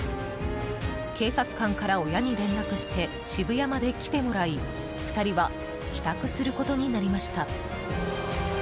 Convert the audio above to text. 警察官から親に連絡して渋谷まで来てもらい２人は帰宅することになりました。